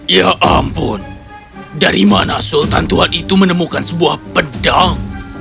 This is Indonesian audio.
ya ampun dari mana sultan tuhan itu menemukan sebuah pedang